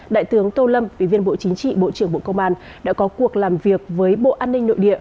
đại tướng tô lâm ủy viên bộ chính trị bộ trưởng bộ công an đã có cuộc làm việc với bộ an ninh nội địa